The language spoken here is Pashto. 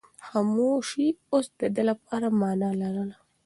خاموشي اوس د ده لپاره مانا لرله.